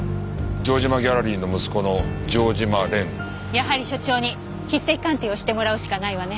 やはり所長に筆跡鑑定をしてもらうしかないわね。